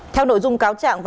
theo nội dung cáo truyền thông